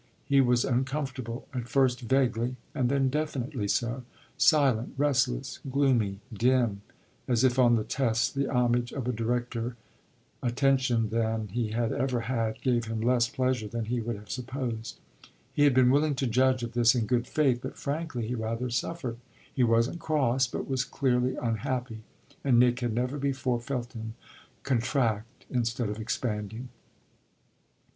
He was uncomfortable, at first vaguely and then definitely so silent, restless, gloomy, dim, as if on the test the homage of a directer attention than he had ever had gave him less pleasure than he would have supposed. He had been willing to judge of this in good faith; but frankly he rather suffered. He wasn't cross, but was clearly unhappy, and Nick had never before felt him contract instead of expanding.